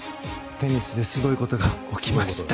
テニスですごいことが起きました。